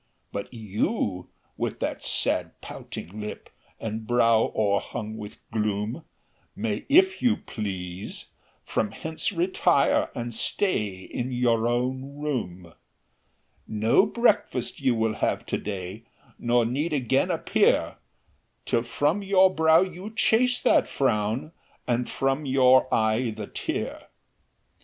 "But you, with that sad pouting lip, And brow o'erhung with gloom, May, if you please, from hence retire, And stay in your own room. "No breakfast you will have to day, Nor need again appear, Till from your brow you chase that frown, And from your eye the tear.